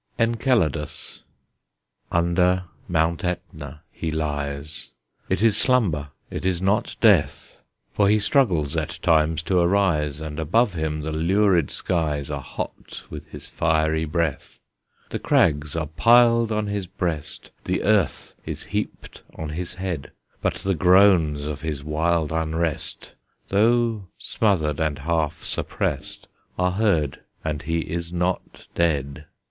ENCELADUS. Under Mount Etna he lies, It is slumber, it is not death; For he struggles at times to arise, And above him the lurid skies Are hot with his fiery breath. The crags are piled on his breast, The earth is heaped on his head; But the groans of his wild unrest, Though smothered and half suppressed, Are heard, and he is not dead.